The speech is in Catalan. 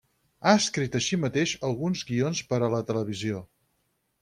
Ha escrit així mateix alguns guions per a la televisió.